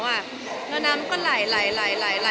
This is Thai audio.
แล้วน้ำก็ไหล